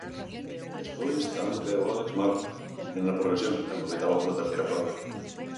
Despois tamén caeu Álex Márquez, en plena progresión, cando loitaba pola terceira praza.